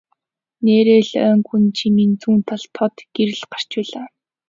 Нээрээ л ойн гүнд жимийн зүүн талд тод гэрэл гарч байлаа.